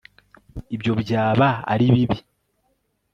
ibyo byaba ari bibi